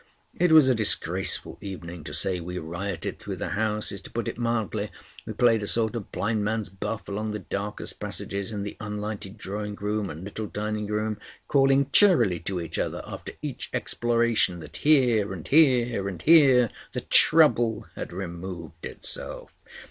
It was a disgraceful evening. To say we rioted through the house is to put it mildly. We played a sort of Blind Man's Buff along the darkest passages, in the unlighted drawing room, and little dining room, calling cheerily to each other after each exploration that here, and here, and here, the trouble had removed itself.